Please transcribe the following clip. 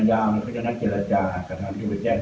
หนูไม่มีเงินทุกบัญชีค่ะ